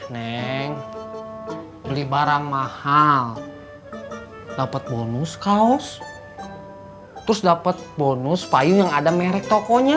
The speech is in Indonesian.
neng beli barang mahal dapat bonus kaos terus dapat bonus payung yang ada merek tokonya